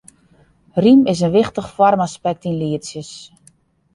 Rym is in wichtich foarmaspekt yn lietsjes.